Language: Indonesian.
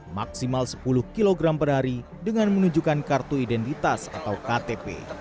maksimal sepuluh kg per hari dengan menunjukkan kartu identitas atau ktp